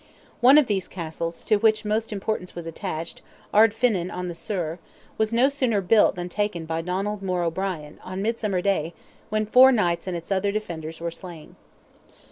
One of these castles, to which most importance was attached, Ardfinan on the Suir, was no sooner built than taken by Donald More O'Brien, on midsummer day, when four knights and its other defenders were slain.